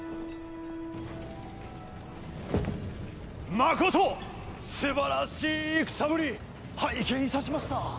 誠素晴らしい戦ぶり拝見いたしました。